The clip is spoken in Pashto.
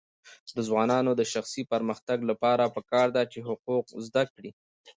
د ځوانانو د شخصي پرمختګ لپاره پکار ده چې حقوق زده کړي.